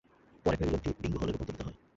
পরে প্যাভিলিয়নটি বিংগো হলে রূপান্তরিত হয়।